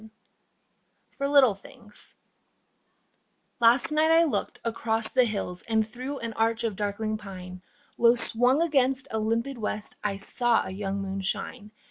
48 FOR LITTLE THINGS Last night I looked across the hills And through an arch of darkling pine Low swung against a limpid west I saw a young moon shine.